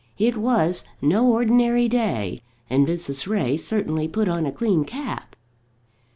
It was no ordinary day, and Mrs. Ray certainly put on a clean cap.